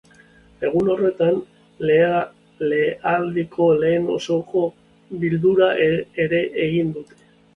Egun horretan, legealdiko lehen osoko bilkura ere egingo dute.